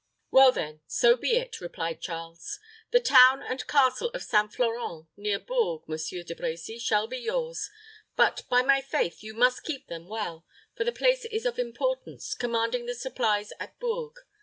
"Well, then, so be it," replied Charles. "The town and castle of St. Florent, near Bourges, Monsieur De Brecy, shall be yours; but, by my faith, you must keep them well; for the place is of importance, commanding the supplies at Bourges.